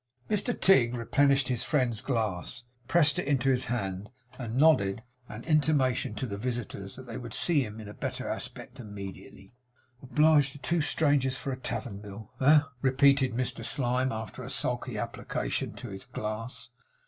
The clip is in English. Mr Tigg replenished his friend's glass, pressed it into his hand, and nodded an intimation to the visitors that they would see him in a better aspect immediately. 'Obliged to two strangers for a tavern bill, eh!' repeated Mr Slyme, after a sulky application to his glass.